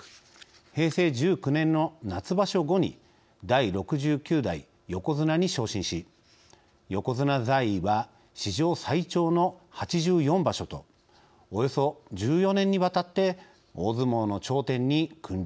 平成１９年の夏場所後に第６９代横綱に昇進し横綱在位は史上最長の８４場所とおよそ１４年にわたって大相撲の頂点に君臨しました。